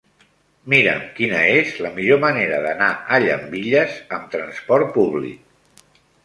Mira'm quina és la millor manera d'anar a Llambilles amb trasport públic.